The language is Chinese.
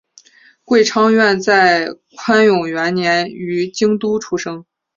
桂昌院在宽永元年于京都出生。